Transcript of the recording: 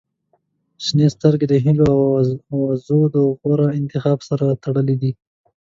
• شنې سترګې د هیلو او آرزووو د غوره انتخاب سره تړلې دي.